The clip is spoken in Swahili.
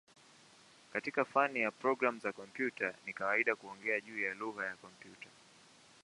Katika fani ya programu za kompyuta ni kawaida kuongea juu ya "lugha ya kompyuta".